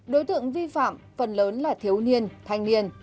đối tượng vi phạm phần lớn là thiếu niên thanh niên